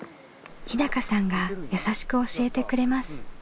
日さんが優しく教えてくれます。